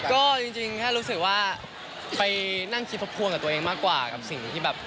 ก็จริงก็เรียกสิแล้วไปนั่งคลิปภาพฟังกับตัวเองมากกว่ากับสิ่งที่แบบ